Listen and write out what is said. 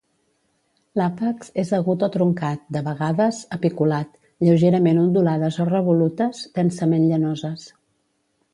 L'àpex és agut o truncat, de vegades, apiculat, lleugerament ondulades o revolutes, densament llanoses.